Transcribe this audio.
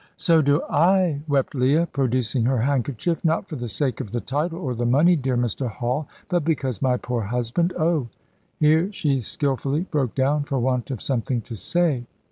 "So do I," wept Leah, producing her handkerchief. "Not for the sake of the title or the money, dear Mr. Hall, but because my poor husband Oh " here she skilfully broke down, for want of something to say.